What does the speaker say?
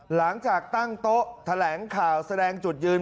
หลังจากตั้งโต๊ะแถลงข่าวแสดงจุดยืน